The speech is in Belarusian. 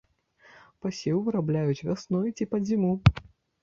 Пасеў вырабляюць вясной ці пад зіму.